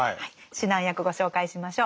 指南役ご紹介しましょう。